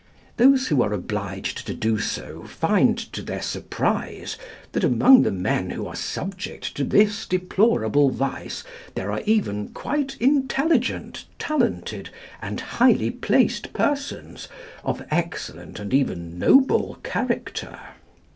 Those who are obliged to do so find to their surprise that "among the men who are subject to this deplorable vice there are even quite intelligent, talented, and highly placed persons, of excellent and even noble character."